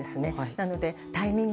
なのでタイミング